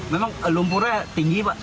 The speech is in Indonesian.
memang lumpurnya tinggi pak